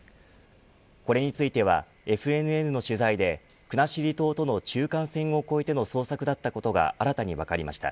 これについては、ＦＮＮの取材で国後島との中間線を越えての捜索だったことが新たに分かりました。